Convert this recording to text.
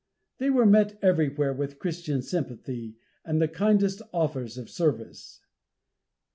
They met everywhere with Christian sympathy, and the kindest offers of service.